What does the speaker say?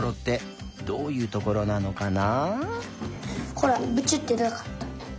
こらブチュッてでなかった。